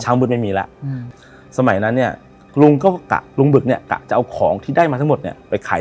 ของผิดกฎหมายต่างต่างแต่ทุกวันนี้